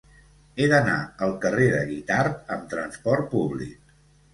He d'anar al carrer de Guitard amb trasport públic.